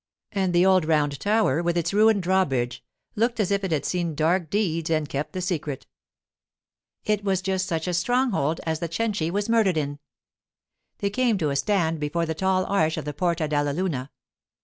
And the old round tower, with its ruined drawbridge, looked as if it had seen dark deeds and kept the secret. It was just such a stronghold as the Cenci was murdered in. They came to a stand before the tall arch of the Porta della Luna.